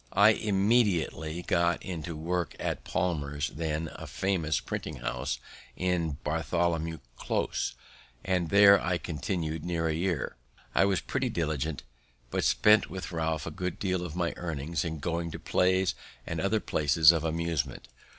I immediately got into work at Palmer's, then a famous printing house in Bartholomew Close, and here I continu'd near a year. I was pretty diligent, but spent with Ralph a good deal of my earnings in going to plays and other places of amusement.